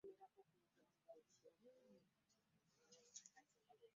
Ne gavumenti oba etunyoomerera!